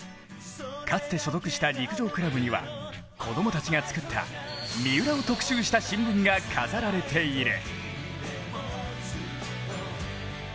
かつて所属した陸上クラブには子供たちが作った三浦を特集した新聞が飾られている。